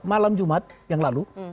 malam jumat yang lalu